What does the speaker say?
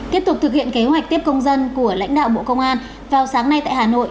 tiếp tục thực hiện kế hoạch tiếp công dân của lãnh đạo bộ công an vào sáng nay tại hà nội